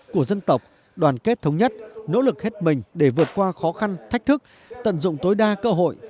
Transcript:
của dân tộc đoàn kết thống nhất nỗ lực hết mình để vượt qua khó khăn thách thức tận dụng tối đa cơ hội